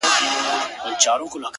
زما خوله كي شپېلۍ اشنا؛